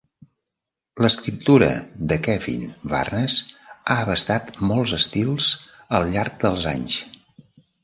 L'escriptura de Kevin Barnes ha abastat molts estils al llarg dels anys.